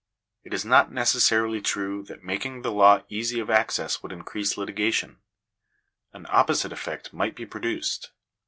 It is not necessarily true that making the law easy of access would increase litigation. An opposite effect might be produced.